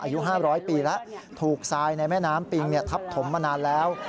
อายุ๕๐๐ปีแล้วถูกทรายในแม่น้ำปิงทับถมมานานแล้ว